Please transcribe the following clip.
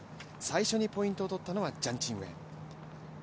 最初にポイントを取ったのはジャン・チンウェン。